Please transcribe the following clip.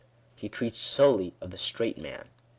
He treats solely of the straight man.